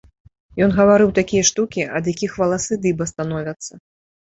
Ён гаварыў такія штукі, ад якіх валасы дыба становяцца.